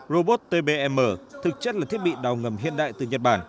robot tbm thực chất là thiết bị đào ngầm hiện đại từ nhật bản